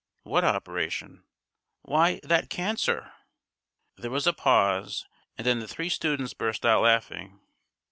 "What operation?" "Why, that cancer." There was a pause, and then the three students burst out laughing.